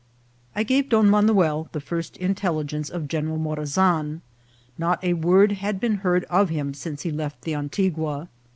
I gave Don Manuel the first intelligence of General Morazan. Not a word had been heard of him since he left the Antigua.